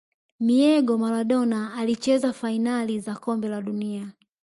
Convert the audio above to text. miego Maradona alicheza fainali za kombe la dunia